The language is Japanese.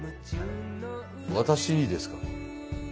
私にですか？